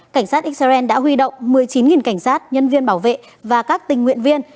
cảnh sát israel đã huy động một mươi chín cảnh sát nhân viên bảo vệ và các tình nguyện viên